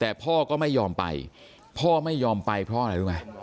ตอนนั้นเขาก็เลยรีบวิ่งออกมาดูตอนนั้นเขาก็เลยรีบวิ่งออกมาดู